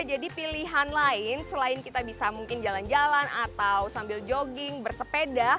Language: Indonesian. jadi pilihan lain selain kita bisa mungkin jalan jalan atau sambil jogging bersepeda